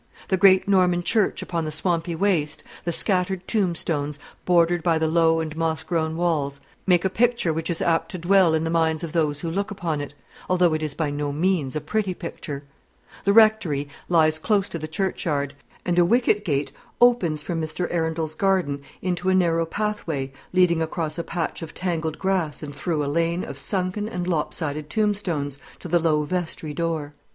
The great Norman church upon the swampy waste, the scattered tombstones, bordered by the low and moss grown walls, make a picture which is apt to dwell in the minds of those who look upon it, although it is by no means a pretty picture. The Rectory lies close to the churchyard; and a wicket gate opens from Mr. Arundel's garden into a narrow pathway, leading across a patch of tangled grass and through a lane of sunken and lopsided tombstones, to the low vestry door.